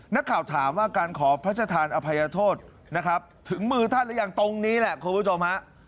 นักข่าวถามว่าการขอพระชธานอภัยโทษนะครับถึงมือท่านหรือยังตรงนี้แหละคุณผู้ชมฮะ